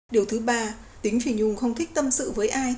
điều thứ ba tính phi nhung không thích tâm sự với ai